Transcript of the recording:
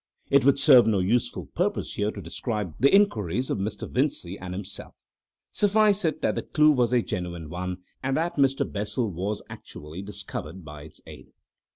It would serve no useful purpose here to describe the inquiries of Mr. Vincey and himself; suffice it that the clue was a genuine one, and that Mr. Bessel was actually discovered by its aid.